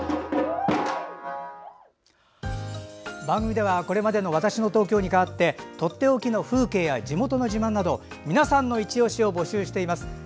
番組ではこれまでの「＃わたしの東京」に代わってとっておきの風景や地元の自慢など皆さんの「いちオシ」を募集しています。